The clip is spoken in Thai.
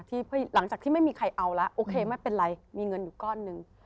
หลังจากที่ไม่มีใครเอาแล้วโอเคไม่เป็นไรมีเงินอยู่ก้อนหนึ่ง